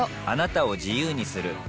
あなたを自由にする